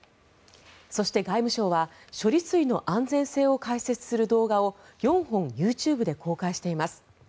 そして、外務省は処理水の安全性を解説する動画を４本、ＹｏｕＴｕｂｅで公開しています。